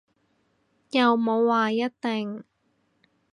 又冇話一定